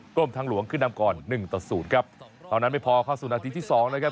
กรมทางหลวงขึ้นนำก่อนหนึ่งต่อศูนย์ครับเท่านั้นไม่พอเข้าสู่นาทีที่สองนะครับ